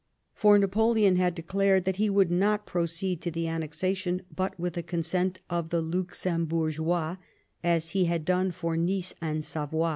For Napoleon had declared that he would not pro ceed to the annexation but with the consent of the Luxemburgeois, as he had done for Nice and Savoy.